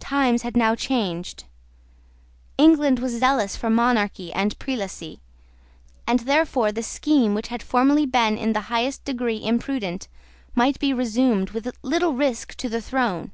Times had now changed: England was zealous for monarchy and prelacy; and therefore the scheme which had formerly been in the highest degree imprudent might be resumed with little risk to the throne.